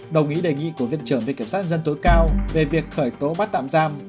đồng ý đề nghị của viện trưởng về kiểm soát dân tối cao về việc khởi tố bắt tạm giam